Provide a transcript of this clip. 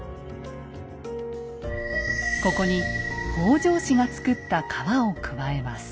ここに北条氏が造った川を加えます。